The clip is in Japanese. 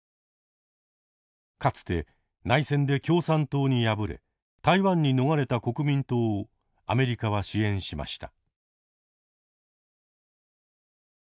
かつて内戦で共産党に敗れ台湾に逃れた国民党をアメリカは支援しました。